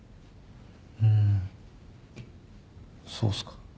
あぁそうっすか。